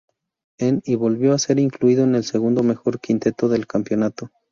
En y volvió a ser incluido en el segundo mejor quinteto del campeonato.